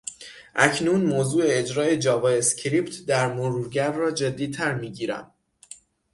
اکنون، موضوع اجرای جاوا اسکریپت در مرورگر را جدیتر میگیرم.